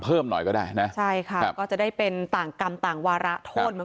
เพิ่มหน่อยก็ได้นะใช่ค่ะก็จะได้เป็นต่างกรรมต่างวาระโทษมัน